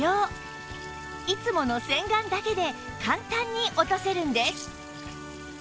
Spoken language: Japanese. いつもの洗顔だけで簡単に落とせるんです